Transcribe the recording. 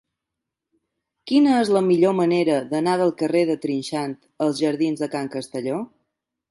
Quina és la millor manera d'anar del carrer de Trinxant als jardins de Can Castelló?